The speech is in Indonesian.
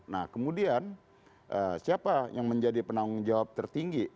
nah kemudian siapa yang menjadi penanggung jawab tertinggi